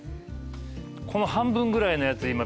この半分ぐらいのやつ